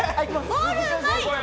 ボールうまいよ！